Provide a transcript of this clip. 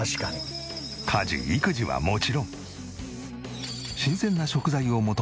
家事育児はもちろん。